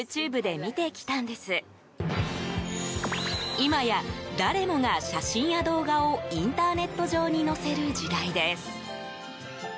今や、誰もが写真や動画をインターネット上に載せる時代です。